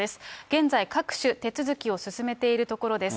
現在、各種手続きを進めているところです。